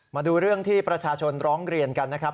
มาดูเรื่องที่ประชาชนร้องเรียนกันนะครับ